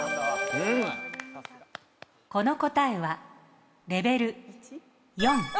この答えはレベル４。